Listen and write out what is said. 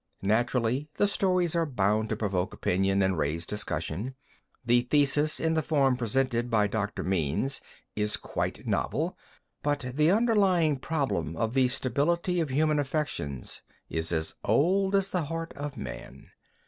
Naturally, the stories are bound to provoke opinion and raise discussion. The thesis in the form presented by Dr. Means is quite novel, but the underlying problem of the stability of human affections, is as old as the heart of man.